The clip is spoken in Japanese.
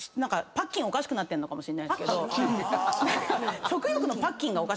パッキンおかしくなってるのかもしれないですけど。